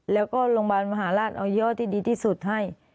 แล้วก็โรงพยาบาลมหาราชเอาย่อที่ดีที่สุดให้